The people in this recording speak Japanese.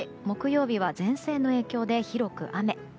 木曜日は前線の影響で広く雨。